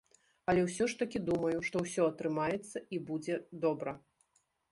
Але ўсё ж такі думаю, што ўсё атрымаецца і будзе добра.